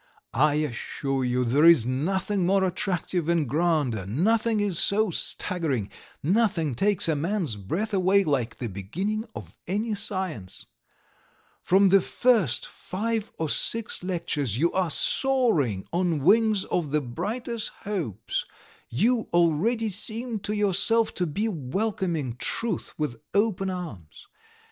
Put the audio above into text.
I assure you there is nothing more attractive and grander, nothing is so staggering, nothing takes a man's breath away like the beginning of any science. From the first five or six lectures you are soaring on wings of the brightest hopes, you already seem to yourself to be welcoming truth with open arms.